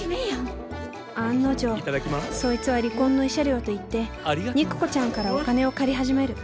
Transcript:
案の定そいつは離婚の慰謝料と言って肉子ちゃんからお金を借り始める。